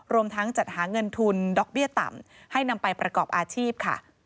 รวมทั้งจัดหาเงินทุนดอกเบี้ยต่ำให้นำไปประกอบอาชีพค่ะ